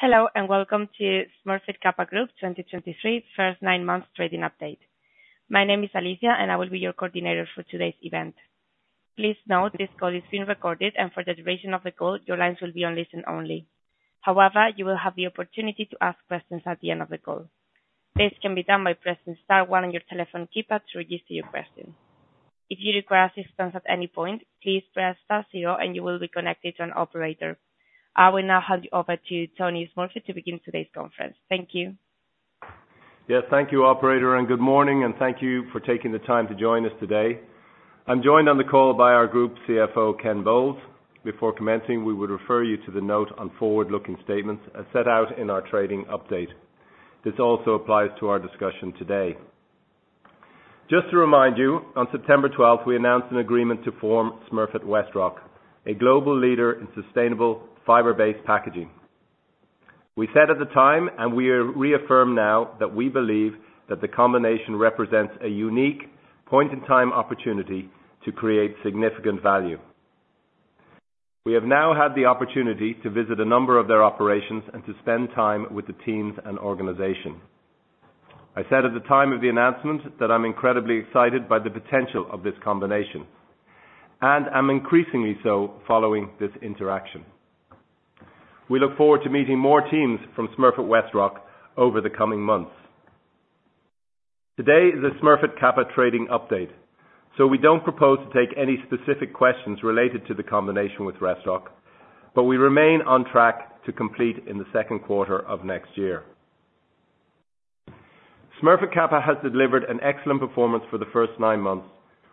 Hello, and welcome to Smurfit Kappa Group 2023 first nine months trading update. My name is Alicia, and I will be your coordinator for today's event. Please note, this call is being recorded, and for the duration of the call, your lines will be on listen only. However, you will have the opportunity to ask questions at the end of the call. This can be done by pressing star one on your telephone keypad to reduce your question. If you require assistance at any point, please press star zero and you will be connected to an operator. I will now hand you over to Tony Smurfit to begin today's conference. Thank you. Yes, thank you, operator, and good morning, and thank you for taking the time to join us today. I'm joined on the call by our group CFO, Ken Bowles. Before commencing, we would refer you to the note on forward-looking statements as set out in our trading update. This also applies to our discussion today. Just to remind you, on September 12th, we announced an agreement to form Smurfit WestRock, a global leader in sustainable fiber-based packaging. We said at the time, and we are reaffirmed now, that we believe that the combination represents a unique point-in-time opportunity to create significant value. We have now had the opportunity to visit a number of their operations and to spend time with the teams and organization. I said at the time of the announcement that I'm incredibly excited by the potential of this combination, and I'm increasingly so following this interaction. We look forward to meeting more teams from Smurfit WestRock over the coming months. Today is a Smurfit Kappa trading update, so we don't propose to take any specific questions related to the combination with WestRock, but we remain on track to complete in the second quarter of next year. Smurfit Kappa has delivered an excellent performance for the first nine months,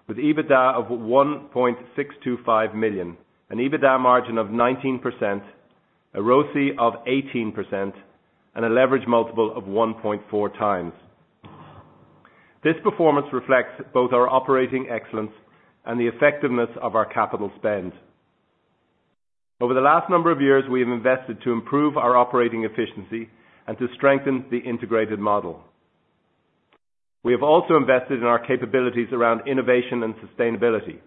with EBITDA of 1.625 million, an EBITDA margin of 19%, a ROCE of 18%, and a leverage multiple of 1.4x. This performance reflects both our operating excellence and the effectiveness of our capital spend. Over the last number of years, we have invested to improve our operating efficiency and to strengthen the integrated model. We have also invested in our capabilities around innovation and sustainability.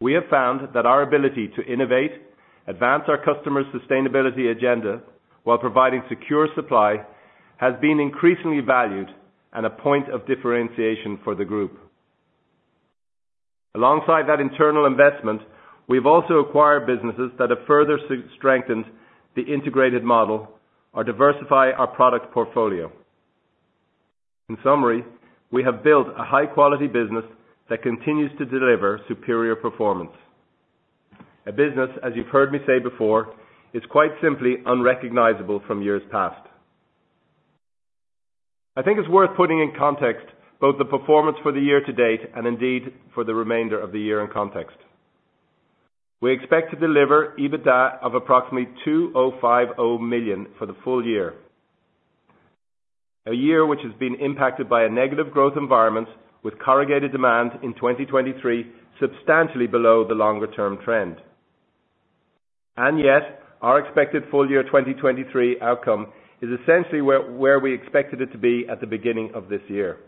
We have found that our ability to innovate, advance our customers' sustainability agenda while providing secure supply, has been increasingly valued and a point of differentiation for the group. Alongside that internal investment, we've also acquired businesses that have further strengthened the integrated model or diversify our product portfolio. In summary, we have built a high quality business that continues to deliver superior performance. A business, as you've heard me say before, is quite simply unrecognizable from years past. I think it's worth putting in context both the performance for the year to date and indeed for the remainder of the year in context. We expect to deliver EBITDA of approximately 2.050 million for the full year. A year which has been impacted by a negative growth environment, with corrugated demand in 2023, substantially below the longer term trend. And yet, our expected full year 2023 outcome is essentially where we expected it to be at the beginning of this year.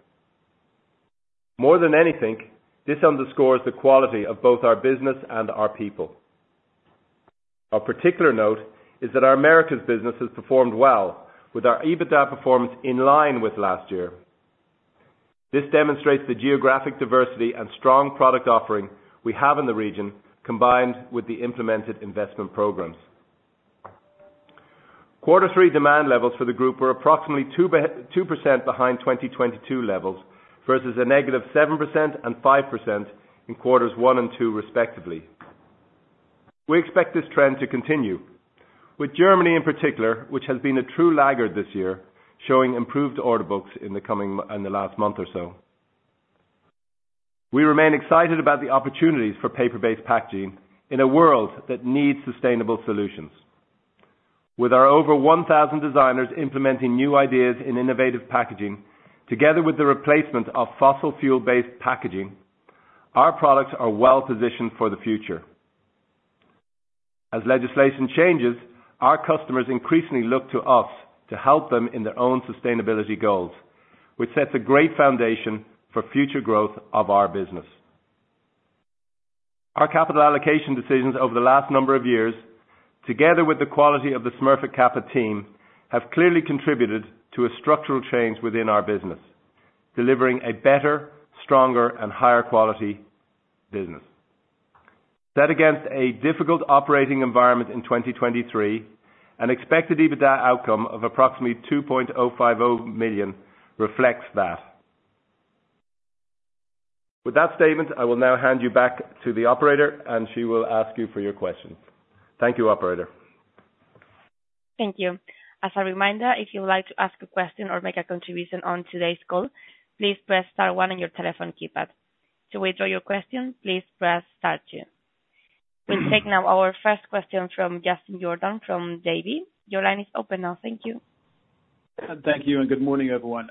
More than anything, this underscores the quality of both our business and our people. Of particular note is that our Americas business has performed well with our EBITDA performance in line with last year. This demonstrates the geographic diversity and strong product offering we have in the region, combined with the implemented investment programs. Quarter three demand levels for the group were approximately 2% behind 2022 levels, versus a -7% and 5% in quarters one and two, respectively. We expect this trend to continue, with Germany in particular, which has been a true laggard this year, showing improved order books in the last month or so. We remain excited about the opportunities for paper-based packaging in a world that needs sustainable solutions. With our over 1,000 designers implementing new ideas in innovative packaging, together with the replacement of fossil fuel-based packaging, our products are well positioned for the future. As legislation changes, our customers increasingly look to us to help them in their own sustainability goals, which sets a great foundation for future growth of our business. Our capital allocation decisions over the last number of years, together with the quality of the Smurfit Kappa team, have clearly contributed to a structural change within our business, delivering a better, stronger, and higher quality business. Set against a difficult operating environment in 2023, an expected EBITDA outcome of approximately 2.050 million reflects that. With that statement, I will now hand you back to the operator and she will ask you for your questions. Thank you, operator. Thank you. As a reminder, if you would like to ask a question or make a contribution on today's call, please press star one on your telephone keypad. To withdraw your question, please press star two. We'll take now our first question from Justin Jordan from Davy. Your line is open now. Thank you. Thank you, and good morning, everyone.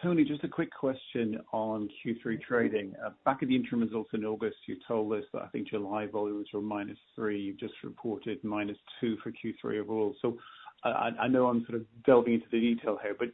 Tony, just a quick question on Q3 trading. Back at the interim results in August, you told us that I think July volumes were -3%. You've just reported -2% for Q3 overall. So I know I'm sort of delving into the detail here, but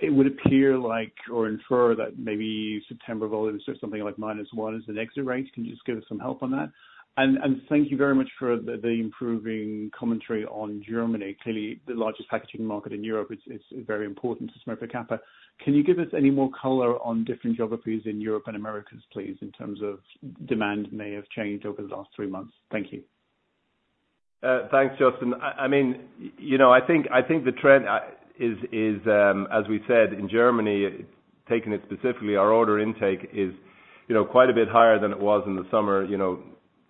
it would appear like or infer that maybe September volumes are something like -1% as an exit rate. Can you just give us some help on that? And thank you very much for the improving commentary on Germany, clearly the largest packaging market in Europe, it's very important to Smurfit Kappa. Can you give us any more color on different geographies in Europe and Americas, please, in terms of demand may have changed over the last three months? Thank you.... Thanks, Justin. I mean, you know, I think the trend is as we said in Germany, taking it specifically, our order intake is, you know, quite a bit higher than it was in the summer, you know,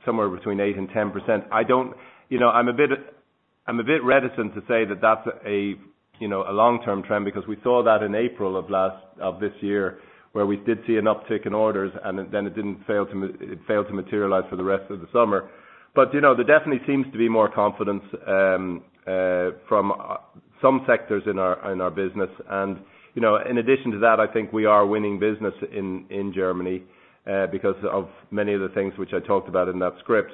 somewhere between 8%-10%. You know, I'm a bit reticent to say that that's a, you know, a long-term trend because we saw that in April of this year, where we did see an uptick in orders, and then it failed to materialize for the rest of the summer. But, you know, there definitely seems to be more confidence from some sectors in our business. You know, in addition to that, I think we are winning business in Germany because of many of the things which I talked about in that script.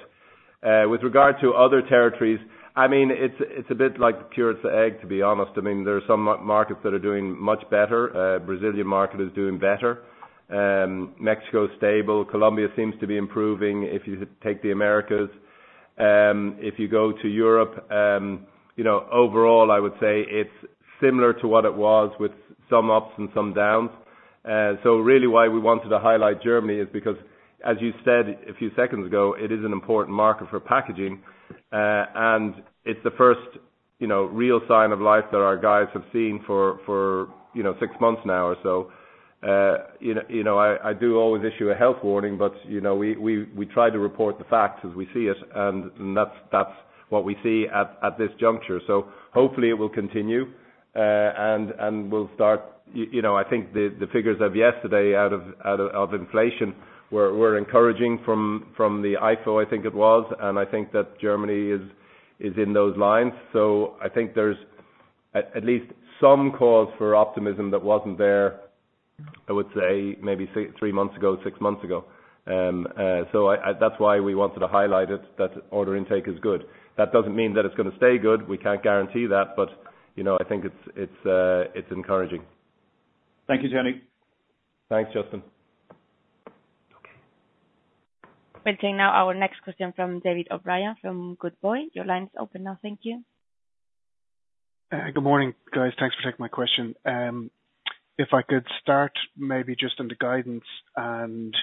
With regard to other territories, I mean, it's a bit like the curate's egg, to be honest. I mean, there are some markets that are doing much better. Brazilian market is doing better, Mexico is stable, Colombia seems to be improving, if you take the Americas. If you go to Europe, you know, overall, I would say it's similar to what it was with some ups and some downs. So really why we wanted to highlight Germany is because, as you said a few seconds ago, it is an important market for packaging. And it's the first, you know, real sign of life that our guys have seen for you know six months now or so. You know, I do always issue a health warning, but, you know, we try to report the facts as we see it, and that's what we see at this juncture. So hopefully it will continue, and we'll start. You know, I think the figures of yesterday, out of inflation were encouraging from the IFO, I think it was, and I think that Germany is in those lines. So I think there's at least some cause for optimism that wasn't there, I would say maybe three months ago, six months ago. So that's why we wanted to highlight it, that order intake is good. That doesn't mean that it's gonna stay good. We can't guarantee that, but, you know, I think it's encouraging. Thank you, Tony. Thanks, Justin. Okay. We'll take now our next question from David O'Brien from Goodbody. Your line is open now. Thank you. Good morning, guys. Thanks for taking my question. If I could start maybe just on the guidance and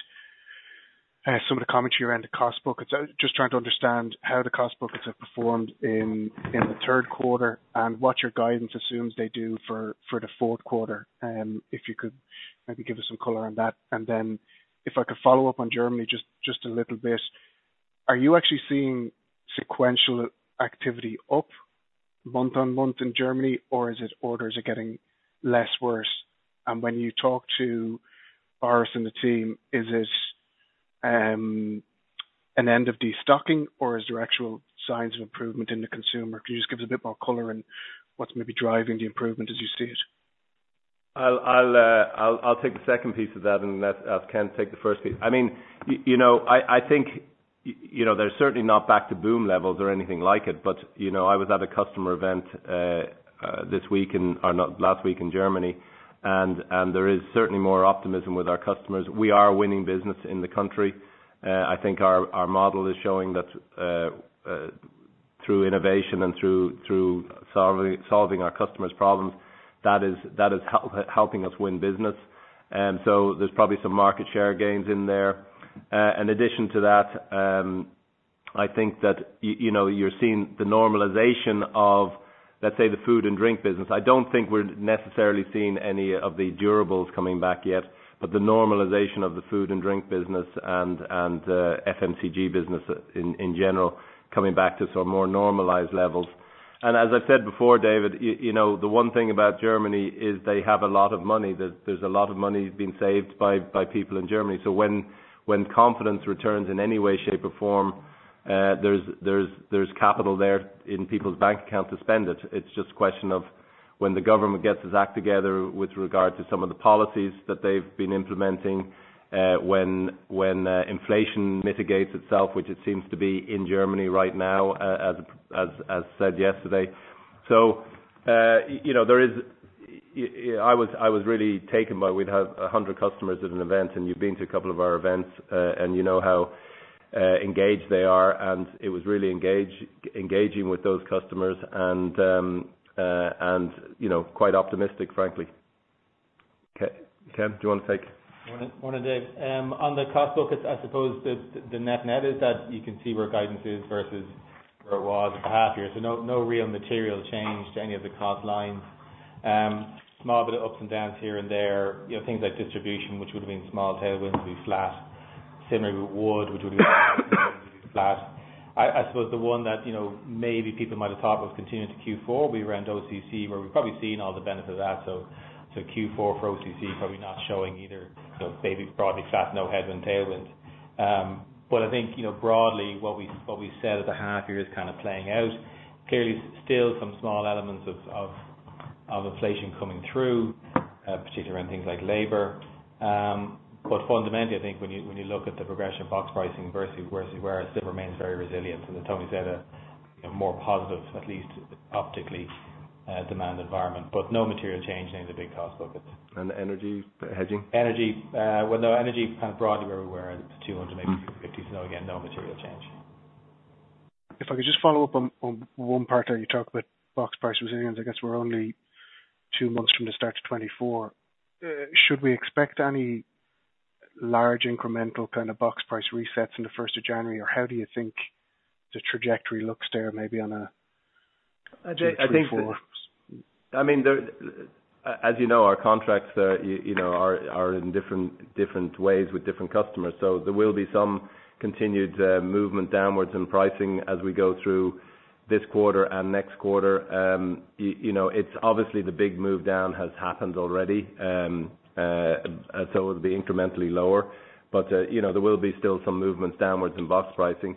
some of the commentary around the cost buckets. I was just trying to understand how the cost buckets have performed in the third quarter, and what your guidance assumes they do for the fourth quarter. If you could maybe give us some color on that. And then if I could follow up on Germany, just a little bit. Are you actually seeing sequential activity up month-on-month in Germany, or is it orders are getting less worse? And when you talk to Boris and the team, is it an end of destocking, or is there actual signs of improvement in the consumer? Can you just give us a bit more color on what's maybe driving the improvement as you see it? I'll take the second piece of that and let Ken take the first piece. I mean, you know, I think, you know, they're certainly not back to boom levels or anything like it, but, you know, I was at a customer event this week and... not last week in Germany, and there is certainly more optimism with our customers. We are winning business in the country. I think our model is showing that through innovation and through solving our customers' problems, that is helping us win business. And so there's probably some market share gains in there. In addition to that, I think that you know, you're seeing the normalization of, let's say, the Food and Drink business. I don't think we're necessarily seeing any of the durables coming back yet, but the normalization of the Food and Drink business and FMCG business in general coming back to some more normalized levels. And as I said before, David, you know, the one thing about Germany is they have a lot of money. There's a lot of money being saved by people in Germany. So when confidence returns in any way, shape, or form, there's capital there in people's bank accounts to spend it. It's just a question of when the government gets its act together with regard to some of the policies that they've been implementing, when inflation mitigates itself, which it seems to be in Germany right now, as said yesterday. So, you know, there is... I was really taken by, we'd have 100 customers at an event, and you've been to a couple of our events, and you know how engaged they are, and it was really engaging with those customers and, you know, quite optimistic, frankly. Okay. Ken, do you want to take? Morning, morning, Dave. On the cost focus, I suppose the net-net is that you can see where guidance is versus where it was half year. So no, no real material change to any of the cost lines. Small bit of ups and downs here and there. You know, things like distribution, which would have been small tailwinds, will be flat. Similarly, wood, which would be flat. I suppose the one that, you know, maybe people might have thought was continuing to Q4, be around OCC, where we've probably seen all the benefits of that. So Q4 for OCC, probably not showing either, you know, maybe broadly flat, no headwind, tailwind. But I think, you know, broadly, what we said at the half year is kind of playing out. Clearly, still some small elements of inflation coming through, particularly around things like labor. But fundamentally, I think when you look at the progression of box pricing versus where it still remains very resilient. So as Tony said, a more positive, at least optically, demand environment, but no material change in the big cost buckets. The energy hedging? Energy, well, no, energy kind of broadly where we were at 200 maybe 250. So again, no material change. If I could just follow up on one part there, you talked about Box Price resilience. I guess we're only two months from the start of 2024. Should we expect any large incremental kind of Box Price resets in the first of January, or how do you think the trajectory looks there? Maybe on a- I think- 2, 3, 4. I mean, as you know, our contracts you know are in different ways with different customers. So there will be some continued movement downwards in pricing as we go through this quarter and next quarter. You know, it's obviously the big move down has happened already. So it'll be incrementally lower, but you know, there will be still some movements downwards in box pricing.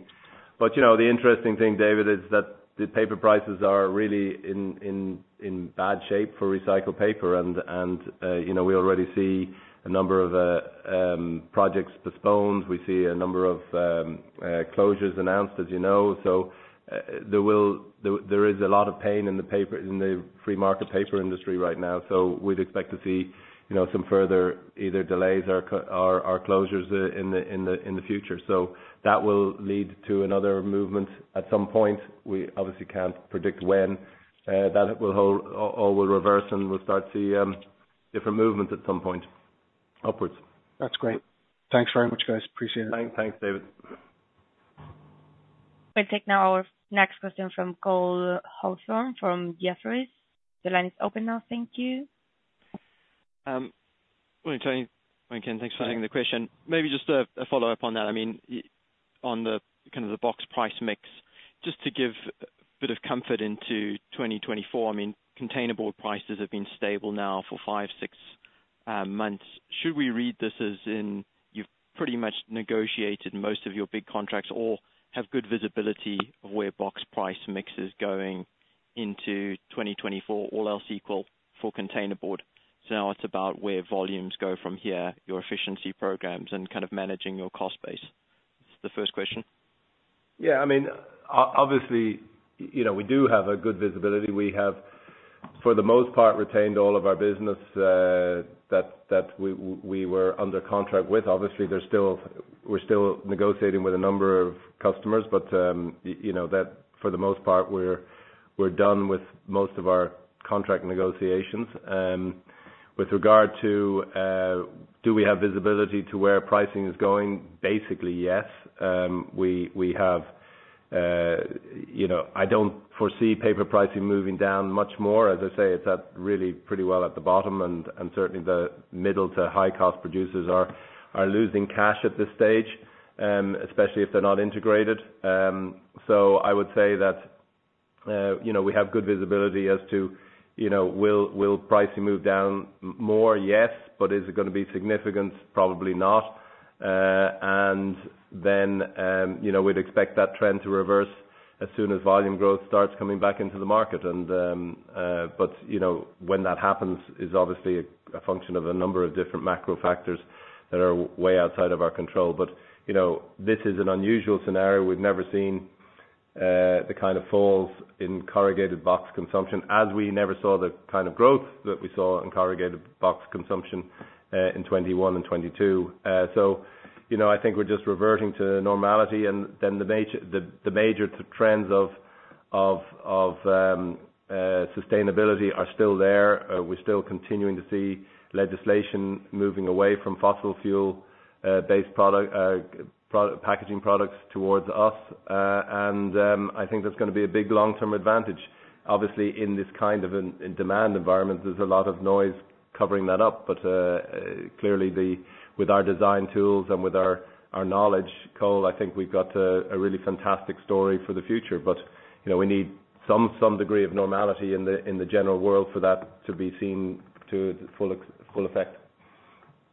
But you know, the interesting thing, David, is that the paper prices are really in bad shape for Recycled Paper and you know, we already see a number of projects postponed. We see a number of closures announced, as you know, so there is a lot of pain in the paper, in the free market paper industry right now. So we'd expect to see, you know, some further either delays or closures in the future. So that will lead to another movement at some point. We obviously can't predict when that will hold or will reverse, and we'll start to see different movement at some point upwards. That's great. Thanks very much, guys. Appreciate it. Thanks, David. We'll take now our next question from Cole Hathorn from Jefferies. The line is open now, thank you. Good morning, Tony. Morning, Ken. Thanks for taking the question. Maybe just a follow-up on that. I mean, on the kind of the Box Price Mix, just to give a bit of comfort into 2024, I mean, containerboard prices have been stable now for five, six months. Should we read this as in you've pretty much negotiated most of your big contracts or have good visibility of where Box Price Mix is going into 2024, all else equal for containerboard? So now it's about where volumes go from here, your efficiency programs, and kind of managing your cost base. The first question. Yeah, I mean, obviously, you know, we do have a good visibility. We have, for the most part, retained all of our business, that we were under contract with. Obviously, there's still... We're still negotiating with a number of customers, but, you know, that for the most part, we're done with most of our contract negotiations. With regard to, do we have visibility to where pricing is going? Basically, yes. We have, you know, I don't foresee paper pricing moving down much more. As I say, it's really pretty well at the bottom, and certainly the middle to high cost producers are losing cash at this stage, especially if they're not integrated. So I would say that, you know, we have good visibility as to, you know, will pricing move down more? Yes, but is it gonna be significant? Probably not. You know, we'd expect that trend to reverse as soon as volume growth starts coming back into the market. But, you know, when that happens is obviously a function of a number of different macro factors that are way outside of our control. But, you know, this is an unusual scenario. We've never seen the kind of falls in corrugated box consumption, as we never saw the kind of growth that we saw in corrugated box consumption in 2021 and 2022. So, you know, I think we're just reverting to normality, and then the major trends of sustainability are still there. We're still continuing to see legislation moving away from fossil fuel based product packaging products towards us. And, I think that's gonna be a big long-term advantage. Obviously, in this kind of demand environment, there's a lot of noise covering that up. But, clearly, with our design tools and with our knowledge, Cole, I think we've got a really fantastic story for the future. But, you know, we need some degree of normality in the general world for that to be seen to its full effect.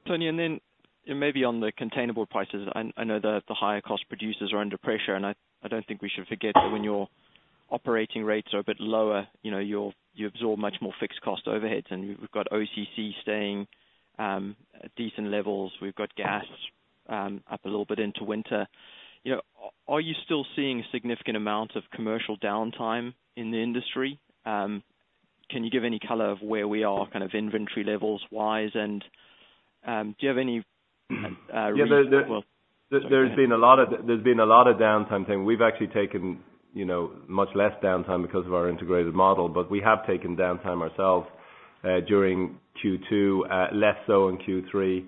Tony, then maybe on the containerboard prices, I know the higher cost producers are under pressure, and I don't think we should forget that when your operating rates are a bit lower, you know, you'll absorb much more fixed cost overheads, and we've got OCC staying at decent levels. We've got gas up a little bit into winter. You know, are you still seeing significant amounts of commercial downtime in the industry? Can you give any color of where we are kind of inventory levels-wise, and do you have any- Yeah, there- Well- There's been a lot of downtime. We've actually taken, you know, much less downtime because of our integrated model, but we have taken downtime ourselves during Q2, less so in Q3.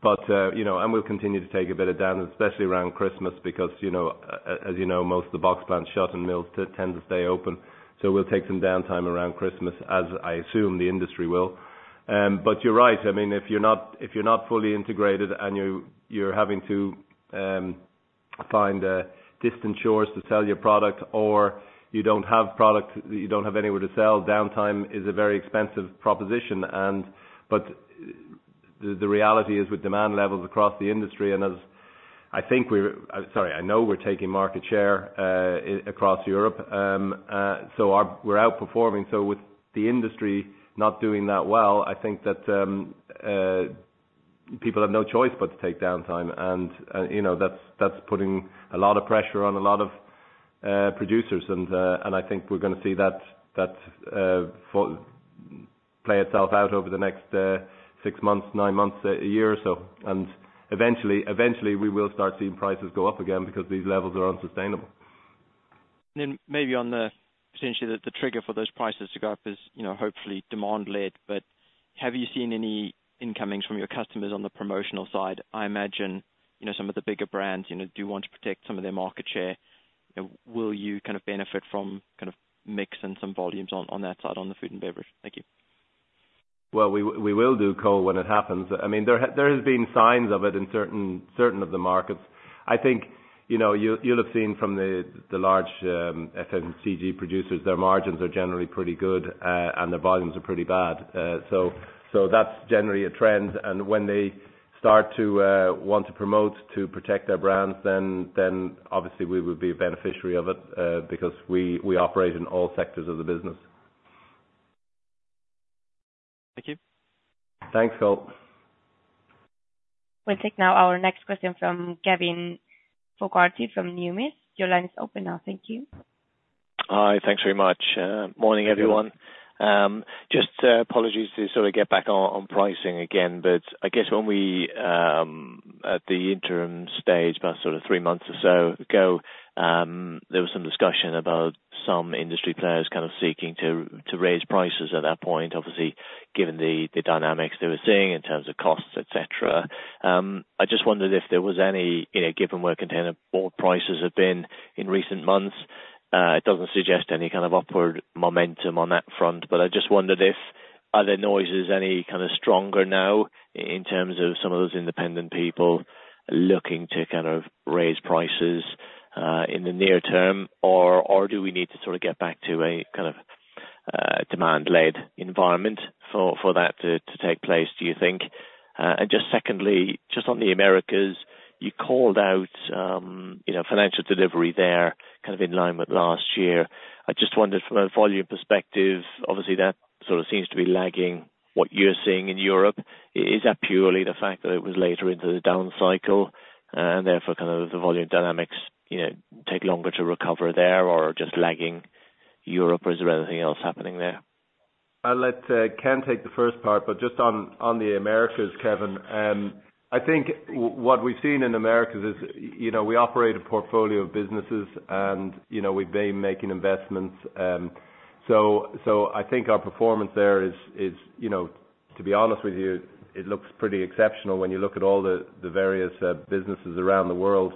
But you know, we'll continue to take a bit of downtime, especially around Christmas, because, you know, as you know, most of the box plants shut and mills tend to stay open. So we'll take some downtime around Christmas, as I assume the industry will. But you're right. I mean, if you're not fully integrated and you're having to find distant shores to sell your product, or you don't have product, you don't have anywhere to sell, downtime is a very expensive proposition, and... But the reality is with demand levels across the industry, and as I think we're sorry, I know we're taking market share across Europe. So we're outperforming, so with the industry not doing that well, I think that people have no choice but to take downtime, and you know, that's putting a lot of pressure on a lot of producers. And I think we're gonna see that play itself out over the next six months, nine months, a year or so. And eventually, we will start seeing prices go up again because these levels are unsustainable.... Then maybe on the, potentially, the trigger for those prices to go up is, you know, hopefully demand-led, but have you seen any incomings from your customers on the promotional side? I imagine, you know, some of the bigger brands, you know, do want to protect some of their market share. Will you kind of benefit from kind of mix and some volumes on that side, on the food and beverage? Thank you. Well, we will do, Cole, when it happens. I mean, there has been signs of it in certain of the markets. I think, you know, you'll have seen from the large FMCG producers, their margins are generally pretty good, and their volumes are pretty bad. So that's generally a trend, and when they start to want to promote to protect their brands, then obviously we would be a beneficiary of it, because we operate in all sectors of the business. Thank you. Thanks, Cole. We'll take now our next question from Kevin Fogarty from Numis. Your line is open now, thank you. Hi, thanks very much. Morning, everyone. Just apologies to sort of get back on pricing again, but I guess when we at the interim stage, about sort of three months or so ago, there was some discussion about some industry players kind of seeking to raise prices at that point, obviously, given the dynamics they were seeing in terms of costs, et cetera. I just wondered if there was any, you know, given where containerboard prices have been in recent months, it doesn't suggest any kind of upward momentum on that front, but I just wondered if are the noises any kind of stronger now in terms of some of those independent people looking to kind of raise prices in the near term? Or do we need to sort of get back to a kind of demand-led environment for that to take place, do you think? And just secondly, just on the Americas, you called out you know, financial delivery there, kind of in line with last year. I just wondered from a volume perspective, obviously that sort of seems to be lagging what you're seeing in Europe. Is that purely the fact that it was later into the down cycle, and therefore, kind of the volume dynamics, you know, take longer to recover there, or just lagging Europe, or is there anything else happening there? I'll let Ken take the first part, but just on the Americas, Kevin, I think what we've seen in Americas is, you know, we operate a portfolio of businesses, and, you know, we've been making investments. So I think our performance there is, you know, to be honest with you, it looks pretty exceptional when you look at all the various businesses around the world.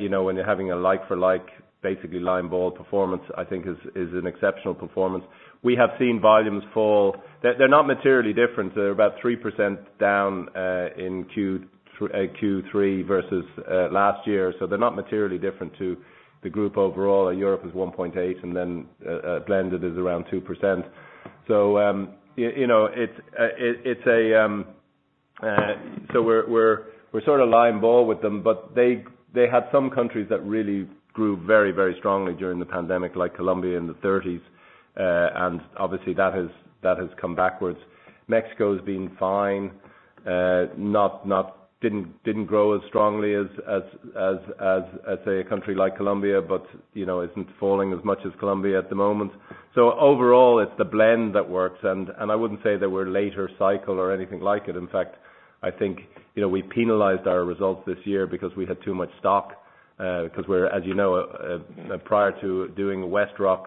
You know, when you're having a like-for-like, basically line ball performance, I think is an exceptional performance. We have seen volumes fall. They're not materially different. They're about 3% down in Q3 versus last year. So they're not materially different to the group overall. Europe is 1.8%, and then blended is around 2%. So you know, it's it, it's a... So we're sort of line ball with them, but they had some countries that really grew very, very strongly during the pandemic, like Colombia in the 30s. And obviously that has come backwards. Mexico's been fine. It didn't grow as strongly as, say, a country like Colombia, but, you know, isn't falling as much as Colombia at the moment. So overall, it's the blend that works, and I wouldn't say that we're later cycle or anything like it. In fact, I think, you know, we penalized our results this year because we had too much stock, because, as you know, prior to doing WestRock,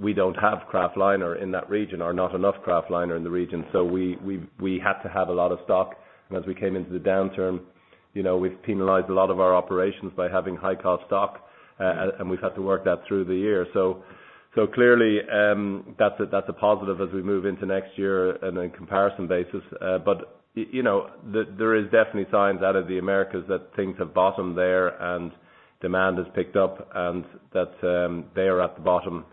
we don't have Kraftliner in that region, or not enough Kraftliner in the region. So we had to have a lot of stock, and as we came into the downturn, you know, we've penalized a lot of our operations by having high-cost stock, and we've had to work that through the year. Clearly, that's a positive as we move into next year in a comparison basis. But you know, there is definitely signs out of the Americas that things have bottomed there and demand has picked up and that they are at the bottom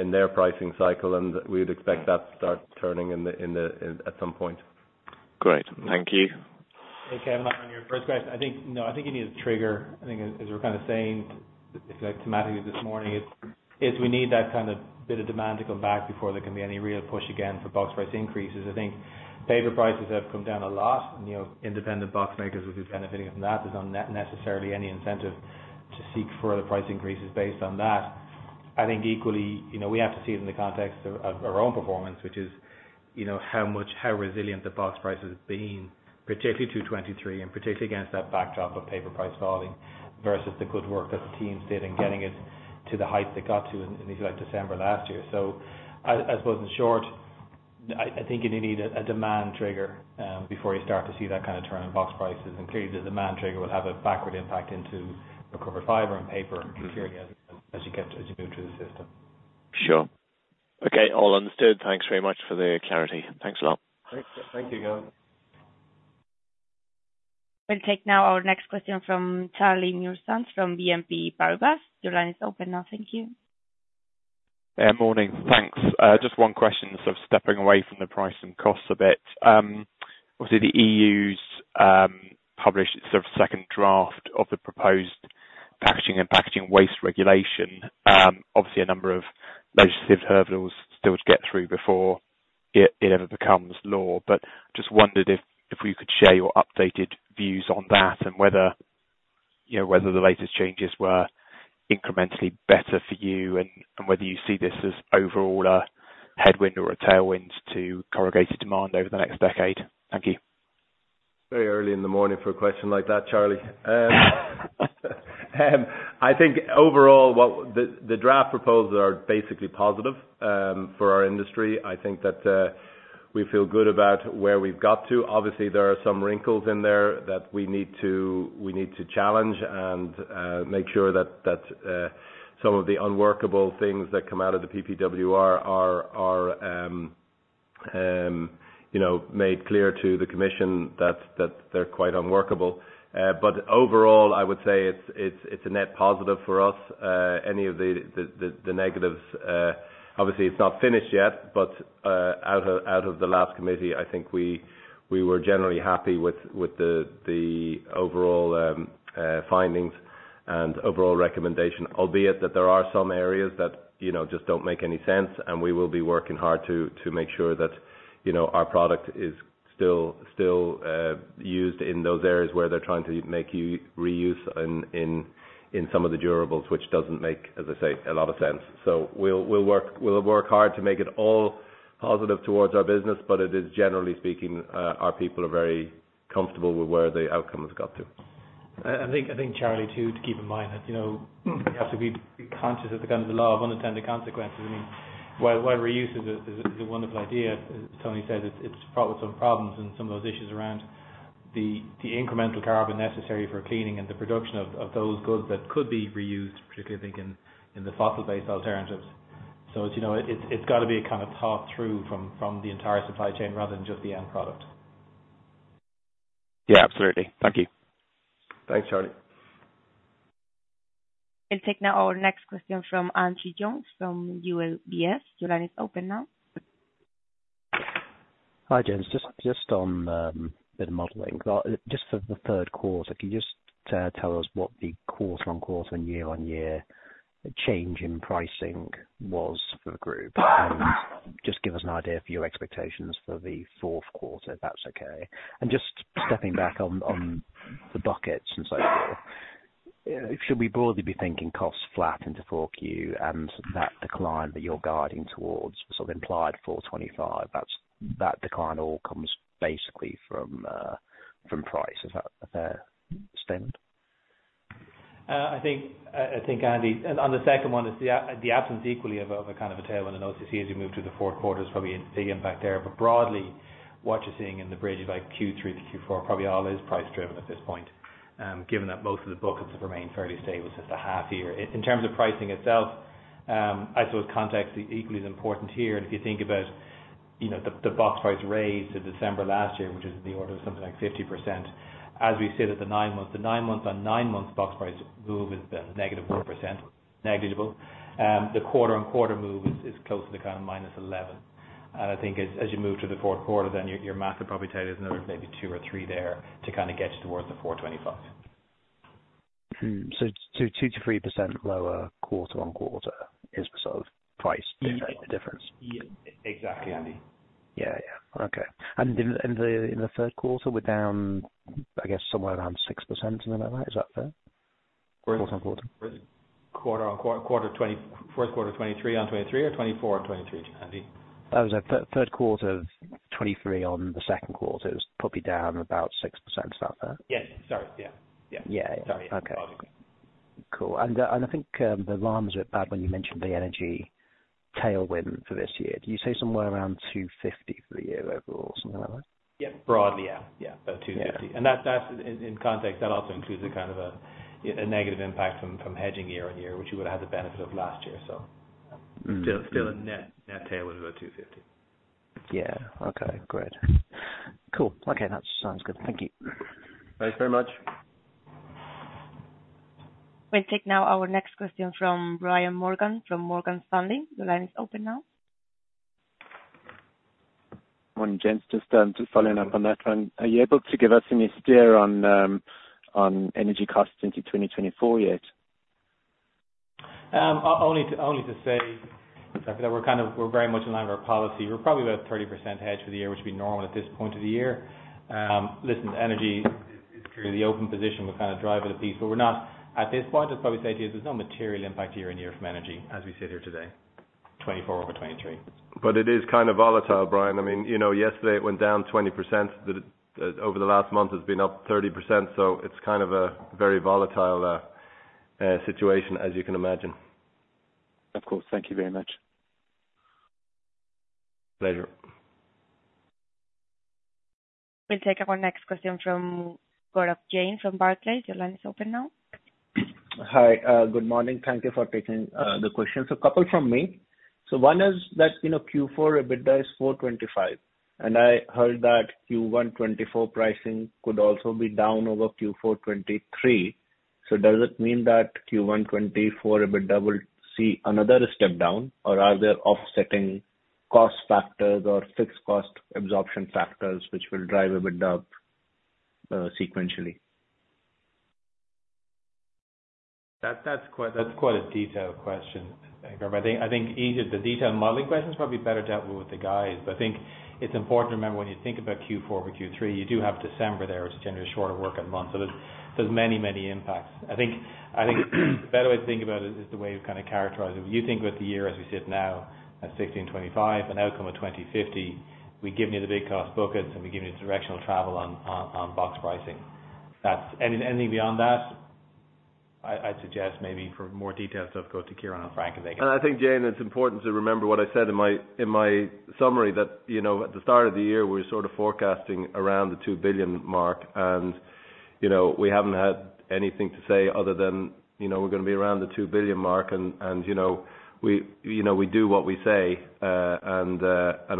in their pricing cycle, and we'd expect that to start turning in the at some point. Great. Thank you. Hey, Kevin, on your first question, I think, no, I think you need a trigger. I think as we're kind of saying, if thematically this morning is we need that kind of bit of demand to come back before there can be any real push again for Box Price increases. I think paper prices have come down a lot, and, you know, independent box makers who are benefiting from that, there's not necessarily any incentive to seek further price increases based on that. I think equally, you know, we have to see it in the context of our own performance, which is, you know, how resilient the Box Price has been, particularly 233, and particularly against that backdrop of paper price falling versus the good work that the teams did in getting it to the heights it got to in, like, December last year. So I suppose in short, I think you need a demand trigger before you start to see that kind of turn in box prices, and clearly the demand trigger will have a backward impact into Recovered Fiber and Paper as you get, as you move through the system. Sure. Okay, all understood. Thanks very much for the clarity. Thanks a lot. Thank you, Kevin. We'll take now our next question from Charlie Muir-Sands, from BNP Paribas. Your line is open now. Thank you. Morning. Thanks. Just one question, sort of stepping away from the price and costs a bit. Obviously the EU's published sort of second draft of the proposed Packaging and Packaging Waste Regulation. Obviously, a number of legislative hurdles still to get through before it ever becomes law, but just wondered if we could share your updated views on that and whether, you know, whether the latest changes were incrementally better for you, and whether you see this as overall a headwind or a tailwind to corrugated demand over the next decade? Thank you.... Very early in the morning for a question like that, Charlie. I think overall, what the draft proposals are basically positive for our industry. I think that we feel good about where we've got to. Obviously, there are some wrinkles in there that we need to challenge and make sure that some of the unworkable things that come out of the PPWR are, you know, made clear to the commission, that they're quite unworkable. But overall, I would say it's a net positive for us. Any of the negatives, obviously it's not finished yet, but out of the last committee, I think we were generally happy with the overall findings and overall recommendation. Albeit that there are some areas that, you know, just don't make any sense, and we will be working hard to make sure that, you know, our product is still used in those areas where they're trying to make you reuse in some of the durables, which doesn't make, as I say, a lot of sense. So we'll work hard to make it all positive towards our business, but it is generally speaking our people are very comfortable with where the outcome has got to. I think, Charlie, too, to keep in mind that, you know, we have to be conscious of the kind of the law of unintended consequences. I mean, while reuse is a wonderful idea, as Tony said, it's brought some problems and some of those issues around the incremental carbon necessary for cleaning and the production of those goods that could be reused, particularly I think in the fossil-based alternatives. So as you know, it's gotta be kind of thought through from the entire supply chain, rather than just the end product. Yeah, absolutely. Thank you. Thanks, Charlie. We'll take now our next question from Andy Jones from UBS. Your line is open now. Hi, gents. Just on the modeling. Just for the third quarter, can you just tell us what the quarter-on-quarter and year-on-year change in pricing was for the group? And just give us an idea of your expectations for the fourth quarter, if that's okay. And just stepping back on the buckets and so forth, should we broadly be thinking costs flat into 4Q, and that decline that you're guiding towards sort of implied 425, that decline all comes basically from price. Is that a fair statement? I think, Andy, on the second one, it's the absence equally of a kind of a tailwind in OCC, as you move to the fourth quarter, is probably a big impact there. But broadly, what you're seeing in the bridge, like Q3 to Q4, probably all is price driven at this point, given that most of the buckets have remained fairly stable since the half year. In terms of pricing itself, I suppose context is equally as important here. And if you think about, you know, the Box Price raise in December last year, which is in the order of something like 50%, as we sit at the nine months, the nine months on nine months Box Price move has been -4%, negligible. The quarter-on-quarter move is close to the kind of -11%. I think as you move to the fourth quarter, then your math would probably tell you there's another maybe 2% or 3% there, to kind of get you towards the 425. Hmm, so 2%-3% lower quarter-on-quarter is the sort of price- Yeah. -difference? Yeah. Exactly, Andy. Yeah, yeah. Okay. And in the third quarter, we're down, I guess, somewhere around 6%, something like that. Is that fair? Quarter-on-quarter. Quarter-on-quarter, first quarter 2023 on 2023 or 2024 on 2023, Andy? That was a third quarter of 2023 on the second quarter. It was probably down about 6%, is that fair? Yes. Sorry. Yeah. Yeah. Yeah. Sorry. Okay. Cool. And I think the rounds were bad when you mentioned the energy tailwind for this year. Did you say somewhere around 250 for the year overall or something like that? Yeah. Broadly, yeah. Yeah, about 250. Yeah. And that in context also includes a kind of negative impact from hedging year-on-year, which you would have had the benefit of last year, so. Mm-hmm. Still, a net tailwind of about 250. Yeah. Okay, great. Cool. Okay, that sounds good. Thank you. Thanks very much. We'll take now our next question from Brian Morgan, from Morgan Stanley. The line is open now. Morning, James. Just following up on that one. Are you able to give us any steer on energy costs into 2024 yet? Only to say that we're very much in line with our policy. We're probably about 30% hedged for the year, which would be normal at this point of the year. Listen, energy is clearly the open position, what kind of drives the price. But we're not, at this point, I'd probably say to you, there's no material impact year on year from energy, as we sit here today, 2024 over 2023. But it is kind of volatile, Brian. I mean, you know, yesterday it went down 20%. Over the last month, it's been up 30%, so it's kind of a very volatile situation, as you can imagine. Of course. Thank you very much. Pleasure. We'll take our next question from Gaurav Jain, from Barclays. Your line is open now. Hi. Good morning. Thank you for taking the questions. A couple from me. One is that, you know, Q4 EBITDA is 425 million, and I heard that Q1 2024 pricing could also be down over Q4 2023. Does it mean that Q1 2024 EBITDA will see another step down, or are there offsetting cost factors or fixed cost absorption factors which will drive EBITDA sequentially? That, that's quite, that's quite a detailed question, Gaurav. I think, I think each of the detailed modeling questions are probably better dealt with the guys. But I think it's important to remember when you think about Q4 over Q3, you do have December there, which is generally a shorter working month. So there's, there's many, many impacts. I think, I think the better way to think about it is the way you kind of characterize it. If you think about the year as we sit now, at 1.625 million, an outcome of 2.050 million, we've given you the big cost buckets, and we've given you the directional travel on, on, on box pricing. That's... Anything beyond that... I'd suggest maybe for more detailed stuff, go to Ciarán and Frank as they can- I think, Jane, it's important to remember what I said in my summary that, you know, at the start of the year, we were sort of forecasting around 2 billion. And, you know, we haven't had anything to say other than, you know, we're gonna be around 2 billion. And, you know, we do what we say, and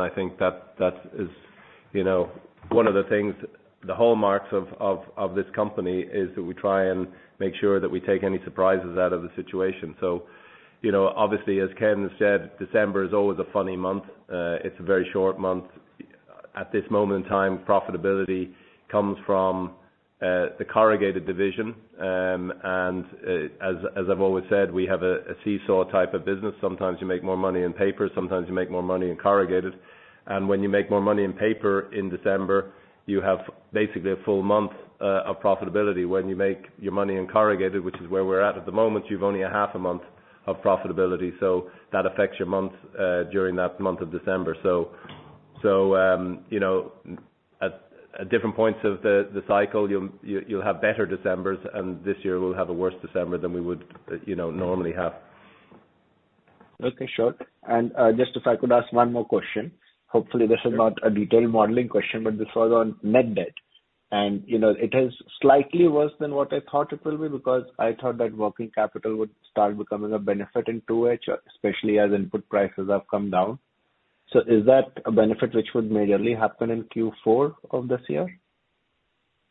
I think that is, you know, one of the things, the hallmarks of this company, is that we try and make sure that we take any surprises out of the situation. So, you know, obviously, as Ken said, December is always a funny month. It's a very short month. At this moment in time, profitability comes from the corrugated division. As I've always said, we have a seesaw type of business. Sometimes you make more money in paper, sometimes you make more money in corrugated. When you make more money in paper, in December, you have basically a full month of profitability. When you make your money in corrugated, which is where we're at the moment, you've only a half a month of profitability. So that affects your month during that month of December. You know, at different points of the cycle, you'll have better Decembers, and this year we'll have a worse December than we would, you know, normally have. Okay, sure. And, just if I could ask one more question. Hopefully, this is not a detailed modeling question, but this is on net debt. And, you know, it is slightly worse than what I thought it will be, because I thought that working capital would start becoming a benefit in 2H, especially as input prices have come down. So is that a benefit which would majorly happen in Q4 of this year?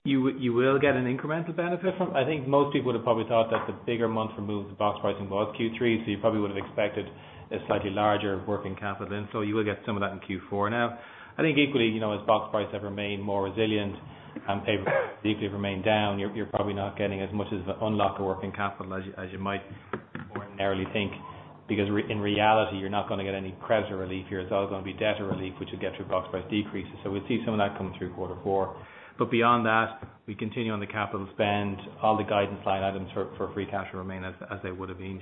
You will get an incremental benefit from... I think most people would have probably thought that the bigger month for moves box pricing was Q3, so you probably would have expected a slightly larger working capital then. So you will get some of that in Q4. Now, I think equally, you know, as Box Price have remained more resilient and paper have deeply remained down, you're probably not getting as much as the unlocked working capital as you might ordinarily think. Because in reality, you're not gonna get any credit relief here. It's all gonna be debt relief, which you'll get through Box Price decreases. So we'll see some of that coming through quarter four. But beyond that, we continue on the capital spend. All the guidance line items for free cash will remain as they would have been,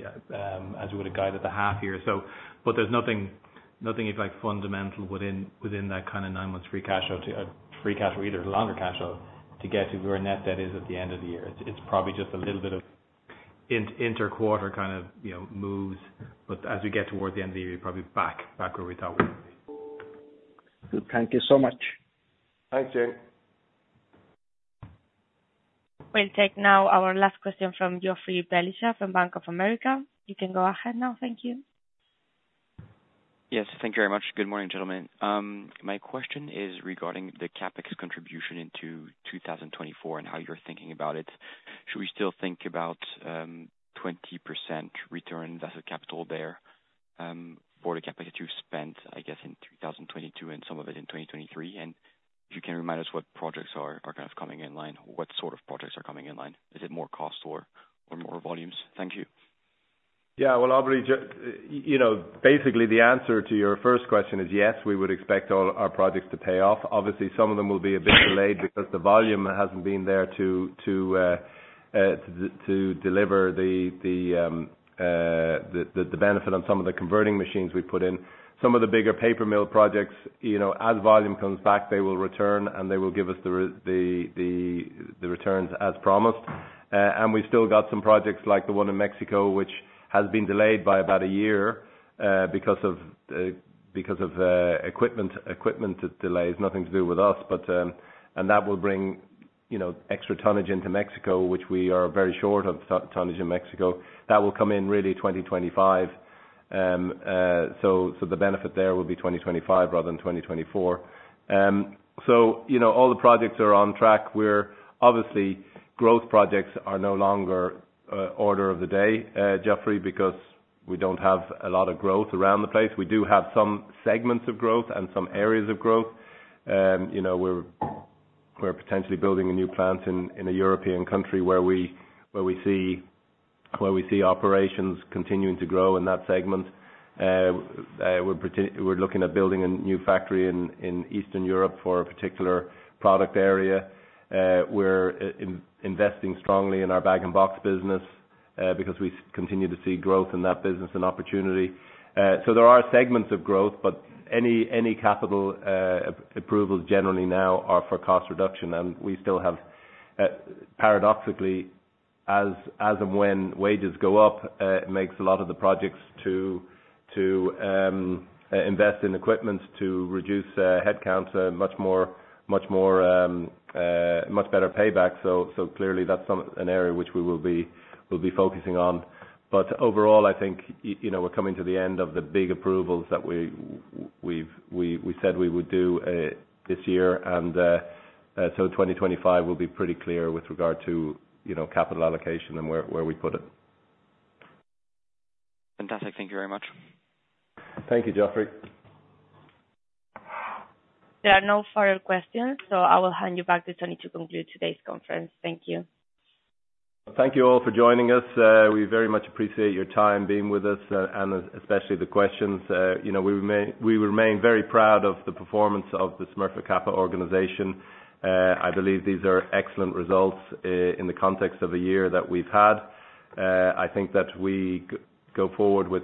as we would have guided the half year. So, but there's nothing. Nothing is like fundamental within that kind of nine months free cash flow to a free cash or either longer cash flow to get to where net debt is at the end of the year. It's probably just a little bit of inter quarter kind of, you know, moves. But as we get towards the end of the year, we're probably back where we thought we would be. Good. Thank you so much. Thanks, Jay. We'll take now our last question from Joffrey Bellicha from Bank of America. You can go ahead now. Thank you. Yes, thank you very much. Good morning, gentlemen. My question is regarding the CapEx contribution into 2024 and how you're thinking about it. Should we still think about 20% return on invested capital there for the CapEx that you've spent, I guess, in 2022 and some of it in 2023? And if you can remind us what projects are kind of coming in line. What sort of projects are coming in line? Is it more cost or more volumes? Thank you. Yeah, well, obviously, just, you know, basically, the answer to your first question is yes, we would expect all our projects to pay off. Obviously, some of them will be a bit delayed because the volume hasn't been there to deliver the benefit on some of the converting machines we put in. Some of the bigger Paper Mill projects, you know, as volume comes back, they will return, and they will give us the returns as promised. And we've still got some projects like the one in Mexico, which has been delayed by about a year, because of equipment delays. Nothing to do with us, but. And that will bring, you know, extra tonnage into Mexico, which we are very short of tonnage in Mexico. That will come in really 2025. So the benefit there will be 2025 rather than 2024. So, you know, all the projects are on track. We're obviously growth projects are no longer order of the day, Joffrey, because we don't have a lot of growth around the place. We do have some segments of growth and some areas of growth. You know, we're potentially building a new plant in a European country where we see operations continuing to grow in that segment. We're looking at building a new factory in Eastern Europe for a particular product area. We're investing strongly in our Bag-in-Box business because we continue to see growth in that business and opportunity. So there are segments of growth, but any capital approvals generally now are for cost reduction. And we still have, paradoxically, as wages go up, it makes a lot of the projects to invest in equipment to reduce headcount much more, much more, much better payback. So clearly that's an area which we will be focusing on. But overall, I think, you know, we're coming to the end of the big approvals that we said we would do this year. And so 2025 will be pretty clear with regard to, you know, capital allocation and where we put it. Fantastic. Thank you very much. Thank you, Joffrey. There are no further questions, so I will hand you back to Tony to conclude today's conference. Thank you. Thank you all for joining us. We very much appreciate your time being with us, and especially the questions. You know, we remain very proud of the performance of the Smurfit Kappa organization. I believe these are excellent results, in the context of the year that we've had. I think that we go forward with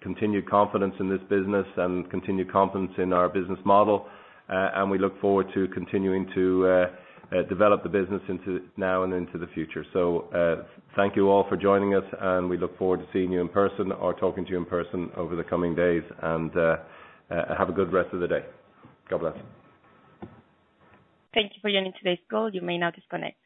continued confidence in this business and continued confidence in our business model. And we look forward to continuing to develop the business into now and into the future. So, thank you all for joining us, and we look forward to seeing you in person or talking to you in person over the coming days. And, have a good rest of the day. God bless. Thank you for joining today's call. You may now disconnect.